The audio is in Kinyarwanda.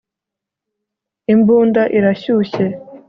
imbunda irashyushye